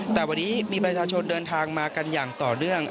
แต่วันนี้มีประชาชนเดินทางมากันอย่างต่อเนื่อง